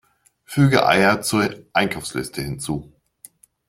Füge Eier zur Einkaufsliste hinzu!